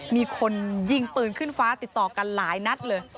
มีคนยิงปืนขึ้นฟ้าติดต่อกันหลายนัดเลย